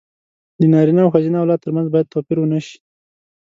د نارينه او ښځينه اولاد تر منځ بايد توپير ونشي.